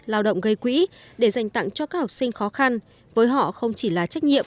lao động gây quỹ để dành tặng cho các học sinh khó khăn với họ không chỉ là trách nhiệm